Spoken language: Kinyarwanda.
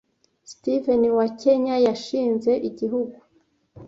Steven wa kenya yashinze igihugu